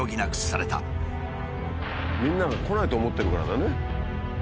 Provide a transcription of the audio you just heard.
みんなが来ないと思ってるからだね。